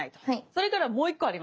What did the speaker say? それからもう１個あります。